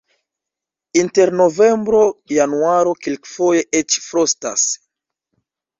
Inter novembro-januaro kelkfoje eĉ frostas.